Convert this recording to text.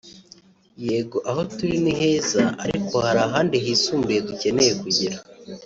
yego aho turi ni heza ariko hari ahandi hisumbuye dukeneye kugera